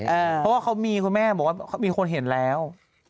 เพราะว่าเขามีคุณแม่บอกว่ามีคนเห็นแล้ว